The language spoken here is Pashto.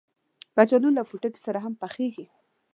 کچالو له پوټکي سره هم پخېږي